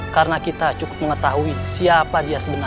karena kita cukup mengetahui siapa dia sebenarnya